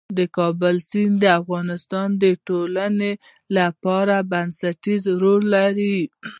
د کابل سیند د افغانستان د ټولنې لپاره بنسټيز رول لري.